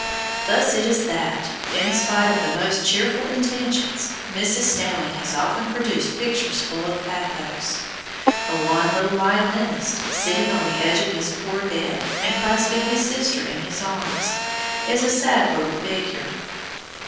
Thus it is that, in spite of the most cheerful intentions, Mrs. Stanley has often produced pictures full of pathos. The wan little violinist, sitting on the edge of his poor bed, and clasping his sister in his arms, is a sad little figure.